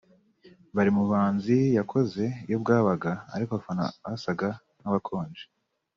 Buri muhanzi yakoze iyo bwabaga ariko abafana basaga nk’abakonje